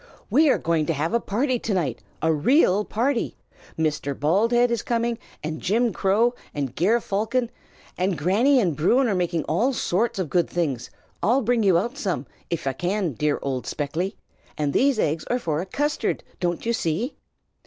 "We are going to have a party to night, a real party! Mr. Baldhead is coming, and Jim Crow, and Ger Falcon. And Granny and Bruin are making all sorts of good things, I'll bring you out some, if I can, dear old Speckly, and these eggs are for a custard, don't you see?"